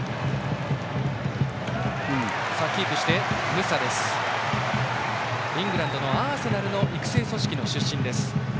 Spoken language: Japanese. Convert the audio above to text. ムサはイングランド、アーセナルの育成組織出身です。